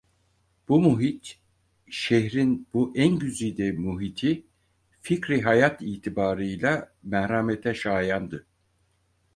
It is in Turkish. Bu muhit, şehrin bu en güzide muhiti fikri hayat itibarıyla merhamete şayandı.